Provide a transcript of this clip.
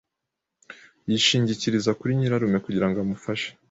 Yishingikirizaga kuri nyirarume kugira ngo amufashe .